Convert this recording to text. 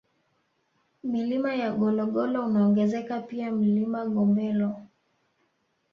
Milima ya Gologolo unaongezeka pia Mlima Gombelo